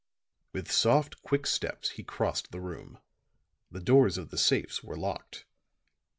With soft, quick steps he crossed the room. The doors of the safes were locked.